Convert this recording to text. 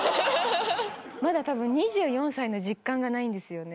まだたぶん２４歳の実感がないんですよね。